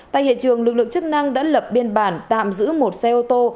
tại hiện trường lực lượng chức năng đã lập biên bản tạm giữ một xe ô tô